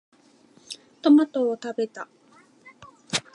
トマトを食べた。